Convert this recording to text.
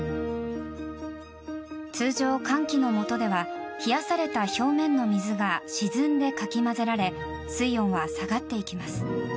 通常、寒気のもとでは冷やされた表面の水が沈んでかき混ぜられ水温は下がっていきます。